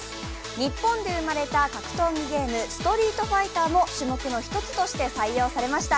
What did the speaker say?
日本で生まれた格闘技ゲーム「ＳＴＲＥＥＴＦＩＧＨＴＥＲ」も種目の一つとして採用されました。